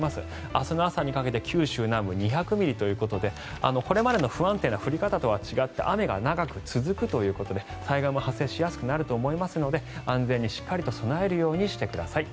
明日の朝にかけて九州南部は２００ミリということでこれまでの不安定な降り方とは違って雨が長く続くということで災害も発生しやすくなると思いますので安全にしっかりと備えるようにしてください。